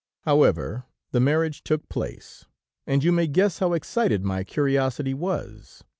"However, the marriage took place, and you may guess how excited my curiosity was.